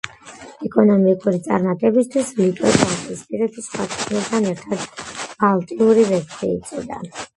ეკონომიკური წარმატებებისათვის ლიტვას ბალტიისპირეთის სხვა ქვეყნებთან ერთად ბალტიური ვეფხვი ეწოდა.